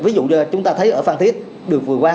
ví dụ như chúng ta thấy ở phan thiết được vừa qua